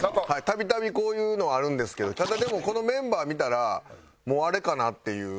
度々こういうのあるんですけどただでもこのメンバー見たらもうあれかなっていう。